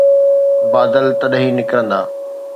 بادل تڏهن ئي نڪرندا.